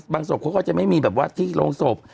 บางศพเขาก็จะไม่มีที่โรงศพ